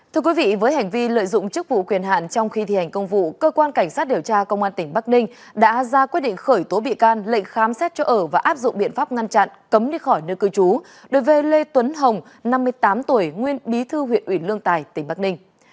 thưa quý vị với hành vi lợi dụng chức vụ quyền hạn trong khi thi hành công vụ cơ quan cảnh sát điều tra công an tỉnh bắc ninh đã ra quyết định khởi tố bị can lệnh khám xét chỗ ở và áp dụng biện pháp ngăn chặn cấm đi khỏi nơi cư trú đối với lê tuấn hồng năm mươi tám tuổi nguyên bí thư huyện ủy lương tài tỉnh bắc ninh